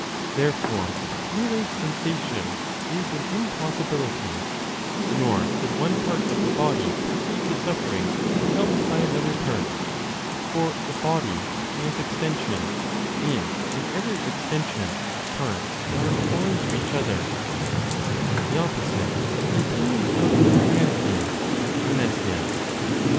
Therefore, relayed sensation is an impossibility, nor could one part of the body perceive the suffering felt by another part; for the body has extension, and, in every extension, parts are foreign to each other (the opposite of the opinion of Cleanthes, Nemesius).